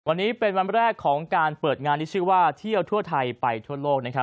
วันนี้เป็นวันแรกของการเปิดงานที่ชื่อว่าเที่ยวทั่วไทยไปทั่วโลกนะครับ